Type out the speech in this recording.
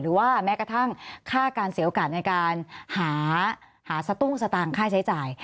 หรือว่าแม้กระทั่งค่าการเสียโอกาสในการหาสตุ้งสตางค์จ่าย